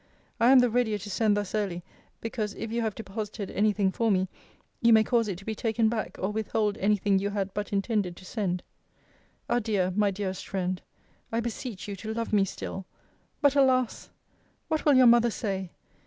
I am the readier to send thus early, because if you have deposited any thing for me, you may cause it to be taken back, or withhold any thing you had but intended to send. Adieu, my dearest friend! I beseech you to love me still But alas! what will your mother say?